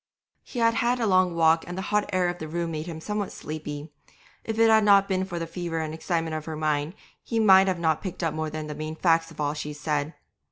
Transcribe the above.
He had had a long walk and the hot air of the room made him somewhat sleepy; if it had not been for the fever and excitement of her mind he might not have picked up more than the main facts of all she said.